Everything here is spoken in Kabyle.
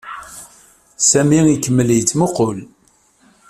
Sami ikemmel yettmuqqul.